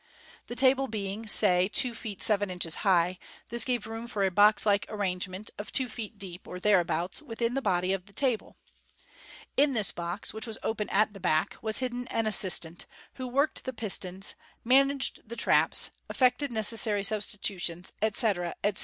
The table being, say, two feet seven inches high, this gave room for a box like arrangement, of two feet deep, or thereabouts, within the body of the table. In this box, which was open at the back, was hidden an assistant, who worked the pistons, managed the traps, effected necessary substitutions, etc., etc.